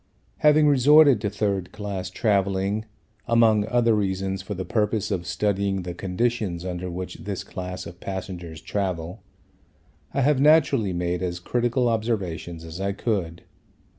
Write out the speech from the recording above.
Having resorted to third class travelling, among other reasons, for the purpose of studying the conditions under which this class of passengers travel, I have naturally made as critical observations as I could.